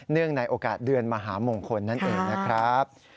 เนื่องในโอกาสเดือนมหาหมงคลนั้นเองนะครับ